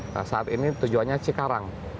nah saat ini tujuannya cikarang